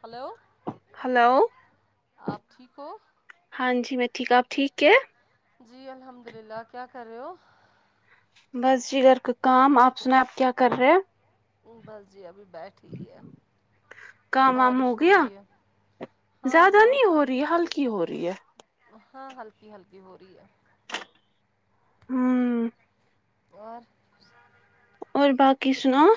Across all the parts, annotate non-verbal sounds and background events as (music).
hello hello آپ ٹھیک ہو ہاں جی میں ٹھیک آپ ٹھیک کیا جی الحمد للہ کیا کر رہے ہو بس جی گھر کا کام آپ سن آپ کیا کر رہے بس جی ابھی بیٹھ ٹھیک ہے کام وام بارش ہو گیا رہی ہے ہاں ہاں فری حال کی ہو رہی ہے ہاں ہلکی ہلکی ہو رہی ہے ہمم اور اور باقی سناؤ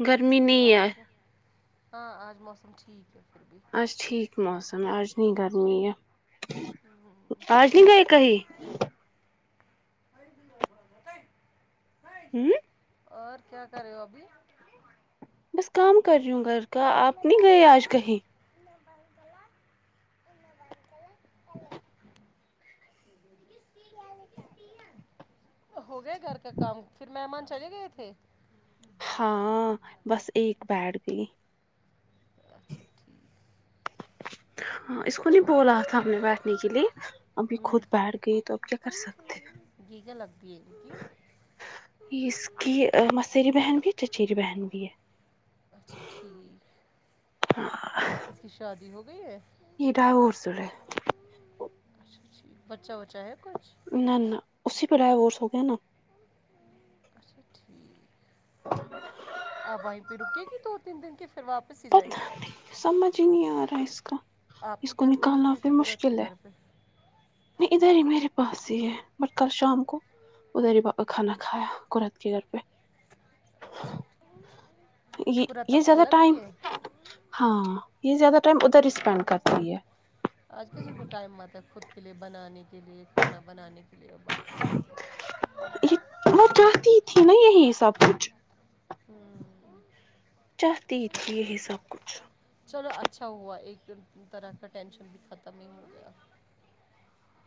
بس گرمی جی نہیں آپ ہے اس میں ہاں آج موسم ٹھیک ہے پھر بھی آج ٹھیک موسم ہے آج نہیں گرمی ہے ہوں، آج نہیں گئے کہیں ہوں اور کیا کر رہو ابھی بس کام کر رہی ہوں گھر کا ان نے آپ نہیں بنگال گئے آج کہیں (unintelligible) ان بائ چلا ان بائ پل پلے (unintelligible) (unintelligible) ہو گیا گھر کا کام پھر مہمان چلے گئے تھے ہاں بس ایک بیٹھ گئی اچھا ٹھیک ہاں اس کو نہیں بولا تھا ہم نے بیٹھنے کے لیے ابھی خود ہوں بیٹھ گئی تو اب کیا کر سکتے گیگا لگتی ہے ان کی ہو اس کی مسیری بہن بھی چچیری بہن بھی ہے اچھا ٹھیک اس کی شادی ہو گئی ہے یہ ڈاورسورے اچھا بچہ وچہ ہے کچھ نہ نہ اسی پہ ڈائیورسو ہوگیا نا اچھا ٹھیک آپ وہیں پہ رکے گی دو تین دن کے پھر واپ پتہ نہیں سمجھ ہی نہیں آ رہا اس کا آپ اس کے کو گھر پہ ہے نکالنا کہ پھر قرت کے مشکل ہے گھر پہ نہیں ادھر ہی میرے پاس ہی ہے بٹ کل شام کو ادھر با کھانا کھایا قرت کے گھر پہ اچھا ٹھیک یہ قرت یہ اب زیادہ الگ ہی ٹائم ہے ہاں یہ زیادہ ٹائم ادھر ہی اسپینڈ کرتی ہے آج ک ج کو ٹائم آتا ہے خود کے لئے بنانے کے لئے کھانا بنانے کے لئے اور باقی چیزیں وہ چاہتی تھی نا یہی سب کچھ چاہتی تھی یہی سب کچھ چلو اچھا ہوا ایک طرح کا ٹینشن بھی ختم ہی ہو گیا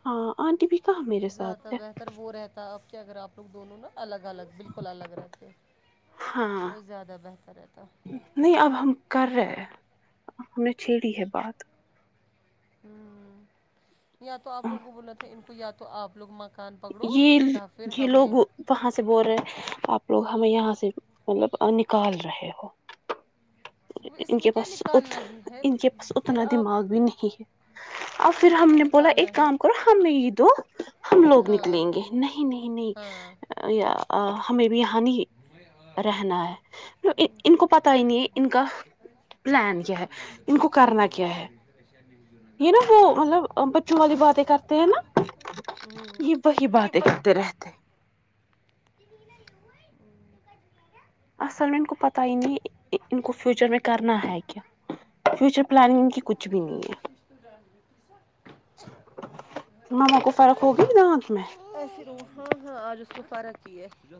ہاں آنٹی بھی کہاں میرے زیادہ ساتھ ہے بہتر وہ رہتا ہے اب کہ اگر آپ لوگ دونوں نا الگ الگ بالکل الگ رہتے ہاں بہت زیادہ بہتر رہتا نہیں اب ہم کر رہے ہم نے چھیڑی ہے بات ہوں یا تو آپ لوگوں کو بولنا تھا ان کو یا تو آپ لوگ مان کان پکڑو یہ یا پھر یہ لوگ ہمیں وہاں سے بول رہے آپ لوگ ہمیں یہاں سے مطلب نکال رہے ہو اس ان میں کے کیا پاس ا نکالنا ہی ہے ان کے پاس پھر اتنا آپ دماغ بھی نہیں ہے اور بولو پھر اس میں ہم کیا نے بولا ایک نکالنا ہے کام کرو ہمیں یہ دو ہم لوگ ہاں ن لیں گے نہیں نہیں ہاں نہیں ہمیں بھی ہانی مے آے رہنا ہے ان کو پتا ہی نہیں ہے ان کا تمس پلان کرران کیا ہے فون ان دپان کو اے یہے کرنا نٹ کیا ہے پوری (unintelligible) اسیشلی جو یہ نگر ب نا وہ د مطلب بچوں والی باتیں کرتے ہیں نا بسناؤ یہ (unintelligible) وہی بات اکٹھتے رہتے (unintelligible) اصل میں ان کو پتہ ہی نہیں ان کو فیوچر میں کرنا ہے کیا فیوچر پلاننگ کی سو کچھ بھی ش نہیں ہے آان ششتور رج (unintelligible) ماما کو فرق ہوگیا ن دانت میں ہاں ہاں (unintelligible) آج اس کو فرق یہ ہے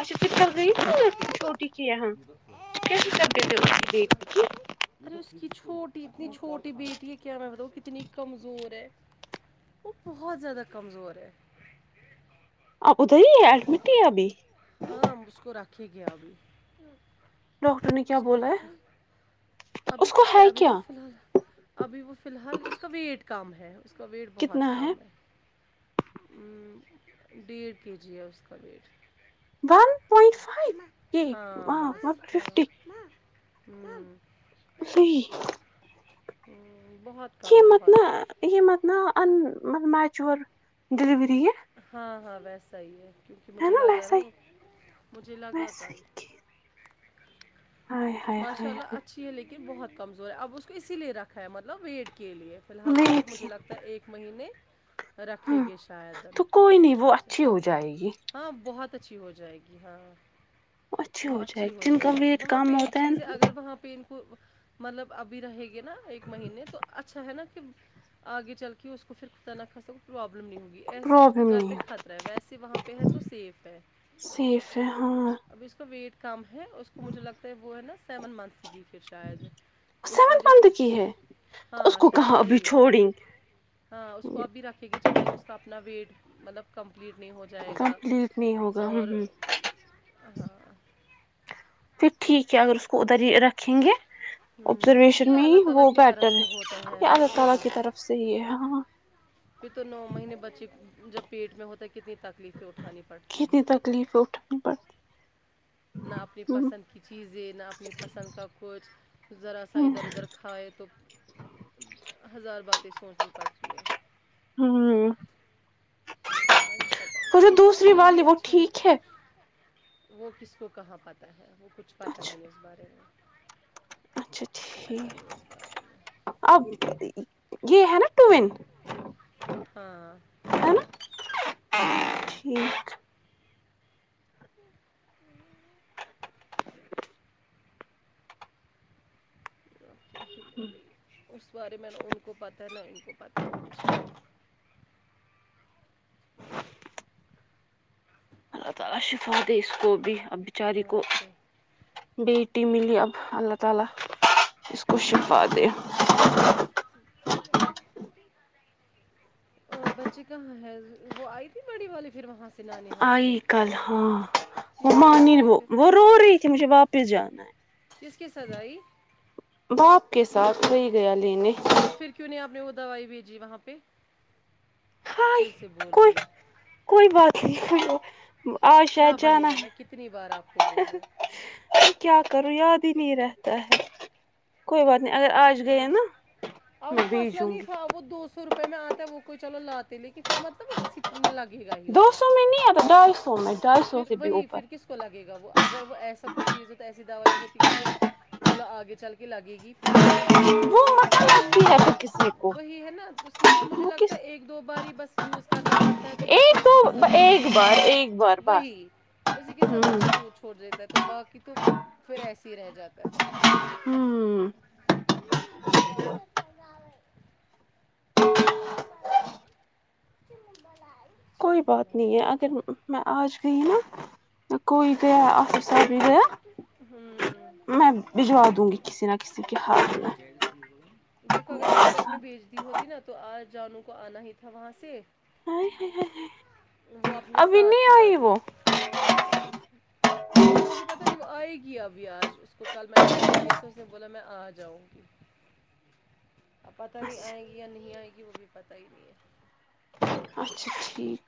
اچا ت گ ن چھوٹی ک (unintelligible) ارے اس کی چھوٹی اتنی چھوٹی بیٹی ہے کیا میں بتاؤ کتنی کمزور ہے وہ بہت زیادہ کمزور ہے اب ادھر ہی ہے ایڈمٹ ہی ہے ابھی ہاں اب اس کو رکھیں گے ابھی ڈاکٹر نے کیا اس کو بولا ہے رکھے ابھی اس کیا کو بولے ہے ابھی وہ فی الحال ابھی وہ فی الحال اس کا ویٹ کم ہے اس کا ویٹ بہت کم ہے ؤں ڈیڑھ کے جی ہے اس کا ویٹ ون پوائنٹ فائیو اماں یہ ہاں بس ون پوائنٹ ہاں ففٹی ما ما مم ہوں نہیں ہوں بہت کہ کم مت ن بہت یہ مت نہ ان مت میچور ڈلیوری ہاں ہاں ویسا ہی ہے کیونکہ ہے مجھے لگا ویسا نا ہی وہ مجھے لگا ویسے کل ہی ہائے ہائے ماشاء ہائے اللہ ہائے اچھی ہے لیکن بہت کمزور ہے اب اس کو اسی لیے رکھا ہے مطلب ویٹ کے لئے فی الحال اس نہیں کو مجھے تھی لگتا ہے ایک مہینے رکھیں ہاں گے شاید تو کوئی جس نہیں وہ حساب سے اچھی ہو جائے گی ہاں بہت اچھی ہو جائے گی ہاں وہ اچھی ہو جن جائے کا گی ویٹ وہاں پہ کم ایک ہوتا ان چیز ہے کو اگر وہاں پہ ان کو مطلب ابھی رہے گی نا ایک مہینے تو اچھا ہے نا کہ آگے چل کے اس کو پھر خدا نہ خواستہ کوئی پرابلم نہیں ہوگی ایسے اس پرابلم گھر پہ نہیں ہو خطرہ ہے ویسے وہاں پہ ہے تو سیف ہے سیف ہے ہاں اب اس کا ویٹ کم ہے اس کو مجھے لگتا ہے وہ ہے نا سیون منتھس کی کچھ شاید اس سیونتھ وجہ سے منتھ اس کی کو ہے تو اس ہاں کو شاید کہاں ابھی وہی چھوڑیں ہاں اس کو اب بھی رکھیں گی جب تک اس کا اپنا ویٹ مطلب کمپلیٹ نہیں ہو جائے گا کمپلیٹ نہیں ہوگا ہوں اور ہوں ا ہاں پھر ٹھیک ہے اگر اس کو ادھر ہی رکھیں گے یہ ابزرویشن میں اللہ ہی تعالیٰ وہ کی طرف بیٹر سے ہوتا ہے یہ اس اللہ سے تعالی کی طرف سے ہی ہے ہاں پھر تو نو مہینے بچی جب پیٹ میں ہوتا ہے کتنی تکلیفیں اٹھانی پڑتی ہے کتنی تکلیفیں اٹھانی پرڑ نہ اپنی پسند کی چیزیں نہ اپنی پسند کا کچھ ذرا سا ادھر ادھر کھائے تو ہزار باتیں سوچنی پڑتی ہے ہوں آج پتہ ہی وہ ہے جو چلو اب دوسری یہ والی بھی وہ اچھا ہے ٹھیک وہ کس کو کہاں پتہ ہے وہ کچھ پتہ ہی اچھا نہیں اس بارے میں اچھا پتہ ٹھیک نہیں اس بارے میں اب یہ ہے نا ٹو وین ہاں ہے نا ہوں ٹھیک آپ کیا ہی بولے اس بارے میں نا ان کو پتہ ہے نہ ان کو پتہ ہے کچھ اللہ تعالی شفا دہے اس کو بھی اب بچاری کو اور کیا بیٹی ملی اب اللہ تعالی اس کو شفا دے (unintelligible) اور بچے کہاں ہے وہ آئی تھی بڑی والی پھر وہاں سے نانحال آئی سے کل ہاں وہ کس کے مانی ساتھ آئی وہ پھر وہ رو رہی تھی مجھے واپس جانا ہے کس کے ساتھ آئی باپ کے ساتھ وہی گیا لینے تو پھر کیوں نہیں آپ نے وہ دوائی بھیجی وہاں پہ ہائی پھر سے بھول کوئی گئی کوئی بات نہیں آو اج کیا شاید بنے جانا گا میں کتنی بار آپ کو ہے بولوں تو کیا کرو یاد ہی نہیں رہتا ہے کوئی بات نہیں اگر آج گئے نا آا میں وہ مسلہ بھیجوں نہیں گی تھا وہ دو سو روپ پھر میں آتا ہے وہ کوئی چلو لاتے لیکن پھر مطلب وہ کسی لگے گا ہی دو اتنا سو میں نہیں (unintelligible) پھر وہی پھر اوپر کس لگے گا وہ اگر وہ ایسا کچھ چیز ہو تو ایسی دوائی ہوتی کہ چلو آگے چل کے لگے گی پھر سے (unintelligible) وہی ہے نا اس میں مجھے وہ کس لگتا ہے ایک دو بار ہی بس یوز کرنا پڑتا ہے تو بچہ ایک اسی کے دو ساتھ ایک بار ایک بار دودھ بس وہی اسی کے ساتھ ہوں بچہ دودھ چھوڑ دیتا ہے تو باقی تو پھر ایسے ہی رہ جاتا ہے ہمم کوئی بات نہیں ہے اگر میں آج گئی نا کوئی گیا بھی گیا ہوں میں بجوا دوں گی کسی نہ کسی کے ہاتھ میں دیکھو کوئی اگر وہاں پہ آپ نے مسئلہ بھیج دی ہوتی نا تو آج جانو کو آنا ہی تھا وہاں سے وہ اپنے ابھی ساتھ نہیں ہی آئی لاتی وہ وہ مجھے پتا نہیں وہ آئے گی ابھی آج اس کو کل میں نے فون کیا تھا اس نے بولا میں آ جاؤں گی اب پتا نہیں آئے اچھا گی یا نہیں آئے گی وہ بھی پتہ ہی نہیں ہے اچھا ٹھیک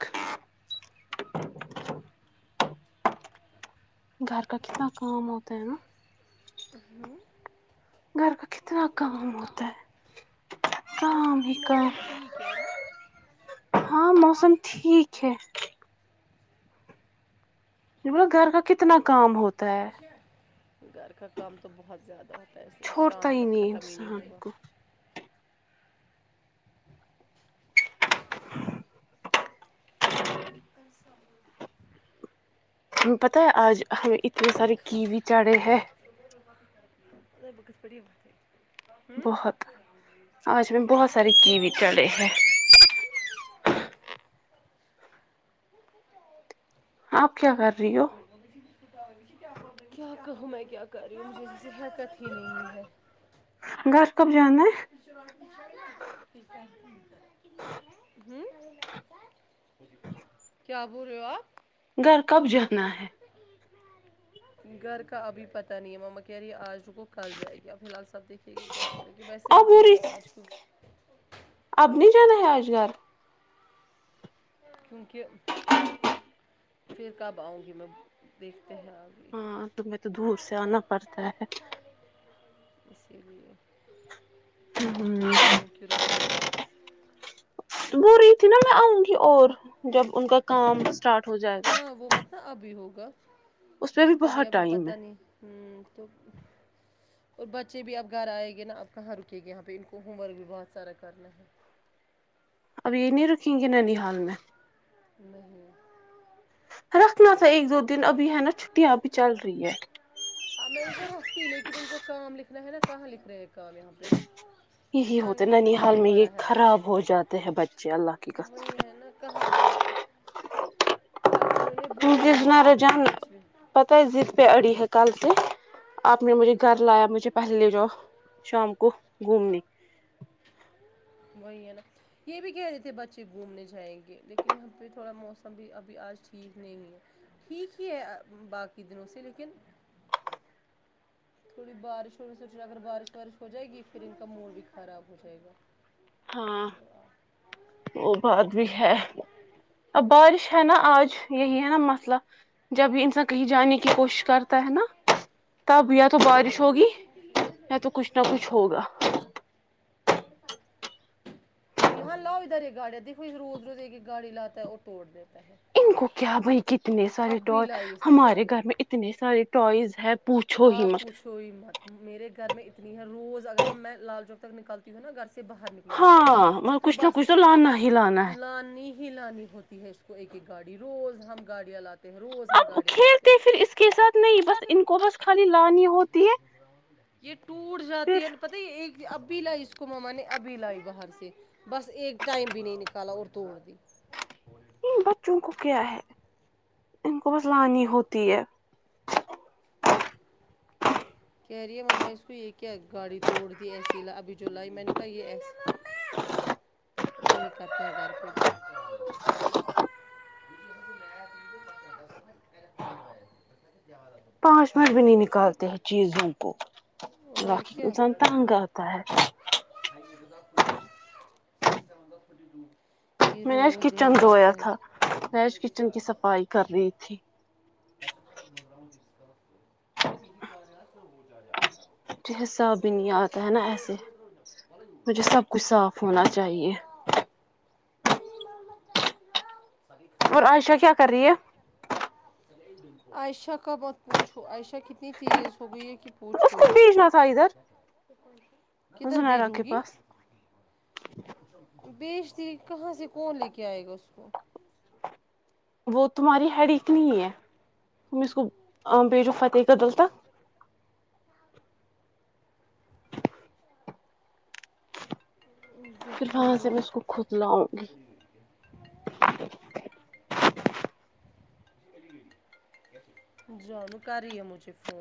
گھر کا کتنا کام ہوتا ہے نا ہمم گھر کا کتنا کام ہوتا ہے آج کام پھر بھی ہی کام موسم ٹھیک ہے نا ہاں موسم ٹھیک ہے گھر کا کتنا کام ہوتا ہے گھر کا کام تو بہت زیادہ ہوتا ہے اسے چھوڑتا شام ہی تک ختم ہی نہیں انسان ہوگا کو اس ت پتا ہے آج ہم اتنے سارے کیوی چاڑے ہے (unintelligible) ہمم بہت آج میں بہت رے سارے کیا کیوی ہوا اممی چڑھے جان ہیں آپ کیا کر رہی ہو کیا کہو میں کیا کر رہی مجھے اسے حیکت ہی نہیں ہے گھر کب جانا ہے جی کیا بول رہے ہو آپ گھر کب جانا ہے گھر کا ابھی پتا نہیں ہے ماما کہی یہ آج رکو کل جائے گی اب فی الال سب دیکھیے لیکن کیا بولے گی ویسے اب ہو رکے گیا رہی آج (unintelligible) اب نہیں جانا ہے آج گھر کیونکہ پھر کب آؤں گی میں دیکھتے ہیں آپ ہاں تمہیں تو دور سے آنا پڑتا ہے اسی لیے سوچنے کہ رکو دور ہی تھی نا میں آؤں گی اور جب ان کا کام اسٹارٹ ہو جاے ہاں وہ مت ابھی ہوگا پہ اس کا بھی بہت ابھی ٹائم ہے پتا نہیں ہمم تو اور بچے بھی اب گھر آئیں گے نا آب کہاں رکے گے یہاں پہ ان کو ہوم ورک بھی بہت سارا کرنا ہے اب یہ نہیں رکیں گے نینی حال میں (unintelligible) رکھنا تھا ایک دو دن ابھی ہے نا چھٹیاں ا بھی چل رہی ہے ہ میں ان کو رکھتی لیکن ان کو کام لکھنا ہے نا کہاں لکھ رہے ہیں کام یہاں پہ یہی ہوتے نانحال نینی کس حال نے میں یہ پڑھا ہے آج خراب ہو جاتے ہیں بچے اللہ کی وہی ہے کہاں جب کل سے انہوں نے بکس نہیں کھولی ہے کچھ بھی پتا ہے ضد پہ اڑی ہے کل سے آپ نے مجھے گھر لایا مجھے پہلے لے جاؤ شام کو گھومنے وہی ہے نہ یہ بھی کہہ رہے تھے بچے گھومنے جائیں گے لیکن یہاں پہ تھوڑا موسم بھی ابھی آج ٹھیک نہیں ہے ٹھیک ہی ہے باقی دنوں سے لیکن تھوڑی بارش ہونے سوچنا اگر بارش وارش ہو جائے گی پھر ان کا موڈ بھی خراب ہو جائے گا ہاں وہ بات بھی ہے اب بارش ہے نا آج یہی ہے نا مسئلہ جب بھی انسان کہیں جانے کی کوشش کرتا ہے نا تب یا تو بارش ہوگی یا تو کچھ نہ کچھ ہوگا می فن الحن لا ہوا رہا گاڑی دیکھو روز روز کی گاڑی لا ہے اور توڑ دیتا ہے ان کو کیا بھائی کتنے سارے اب بھی ٹوائ لائی اس نے ہمارے گاڑیاں گھر میں اتنے سارے ٹوائز ہے پوچھو آ ہی مت پوس شہی مت میرے گھر میں اتنی ہے روز اگر ہم میں لال چوک تک نکلتی ہوں نا گھر سے باہر نکل ہاں مگر تو کچھ نہ بس کچھ لانا ہی لانا ہے لانی ہی لانی ہوتی ہے اس کو ایک ایک گاڑی روز ہم گاڑیاں لاتے ہیں روز ہم اب گاڑیاں لاتے کھیلتے ہیں پھر اس کے ساتھ نہیں بس ان کو بس خالی لانی ہو یہ ٹوٹ پھر جاتی پتہ یہ ایک ابھی لائی اس کو مما نے ابھی لائی باہر سے بس ایک ٹائم بھی نہیں نکالا اور توڑ دی بچوں کو کیا ہے ان کو بس لانی ہوتی ہے کہہ رہیے مما اس کو یہ کیا گاڑی توڑ دی ایسی ابھی جو لائی میں نے کہا یہ ایسے یہی کرتا ہے گھر پہ بھی (inaudible) پانچ منٹ بھی نہیں نکالتے ہیں چیزوں کو اور باقی کیا انسان تنگ آتا ہے (unintelligible) میں نے آج روز کچن یہی دھویا کرتا تھا میں آج کچن کی صفائی کر رہی تھی (unintelligible) مجھے حساب بھی نہیں آتا ہے نا ایسے مجھے سب کچھ صاف ہونا چاہیے ہے عائشہ کیا کر رہی ہے عائشہ کا مت پوچھو عائشہ کتنی تیز ہو گئی ہے کہ پوچھو اس ہی کو مت بھیجنا تھا ادھر کدھر زنیرا بیھجوں کے گی پاس بیچ دی کہاں سے کون لے کے آئے گا اس کو وہ تمہاری ہیڈ ایک نہیں ہے تم اس کو بیےجو فتح کا ڈالتا پھر وہاں سے دیکھئینگے میں اس کو خود لاؤں جانو کر رہی ہے مجھے فون